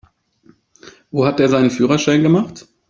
Wo hat der seinen Führerschein gemacht?